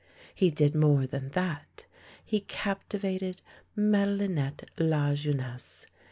He did more than that. He captivated Madehnette Lajeunesse.